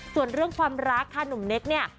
ส่วนเรื่องความรักค่ะหนุ่มเน็กเนี่ย